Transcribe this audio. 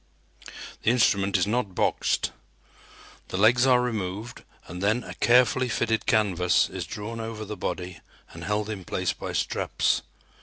The instrument is not boxed. The legs are removed and then a carefully fitted canvas is drawn over the body and held in place by straps.